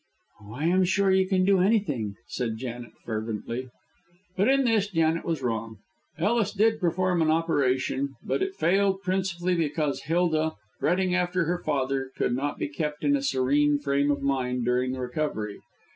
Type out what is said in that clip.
"Oh, I am sure you can do anything," said Janet, fervently. But in this Janet was wrong. Ellis did perform an operation, but it failed principally because Hilda, fretting after her father, could not be kept in a serene frame of mind during the recovery.